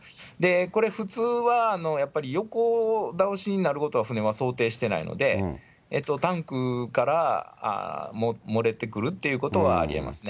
これ、普通はやっぱり横倒しになることは船は想定してないので、タンクから漏れてくるっていうことはありえますね。